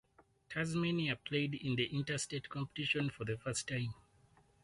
Tasmania played in the interstate competition for the first time.